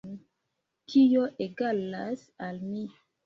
Tio egalas al mi.